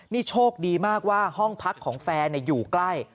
นี่โชคดีมากว่าห้องพักของแฟนอยู่ใกล้